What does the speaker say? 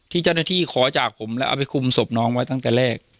ที่เจ้าหน้าที่ขอจากผมแล้วเอาไปคุมศพน้องไว้ตั้งแต่แรก